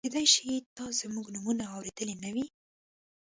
کېدای شي تا زموږ نومونه اورېدلي نه وي.